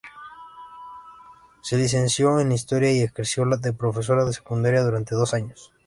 Se licenció en historia y ejerció de profesora de secundaria durante dos años.